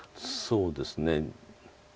そうですね。